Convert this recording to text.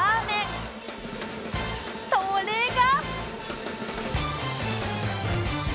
それが